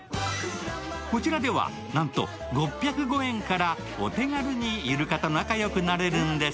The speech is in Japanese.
こちらでは、なんと６０５円からお手軽にイルカと仲良くなれるんです。